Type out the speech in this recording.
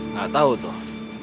nggak tau toh